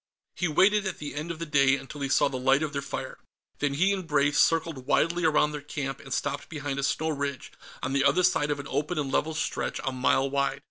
He waited, at the end of the day, until he saw the light of their fire. Then he and Brave circled widely around their camp, and stopped behind a snow ridge, on the other side of an open and level stretch a mile wide.